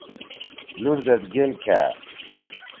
لُوڑ زید گیل کھأ۔